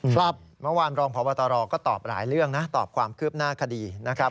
ครับเมื่อวานรองพบตรก็ตอบหลายเรื่องนะตอบความคืบหน้าคดีนะครับ